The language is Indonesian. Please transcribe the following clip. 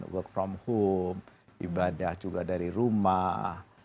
work from home ibadah juga dari rumah